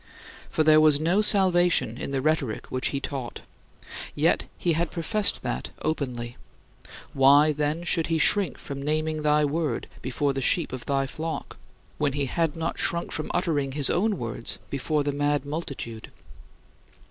For there was no salvation in the rhetoric which he taught: yet he had professed that openly. Why, then, should he shrink from naming thy Word before the sheep of thy flock, when he had not shrunk from uttering his own words before the mad multitude?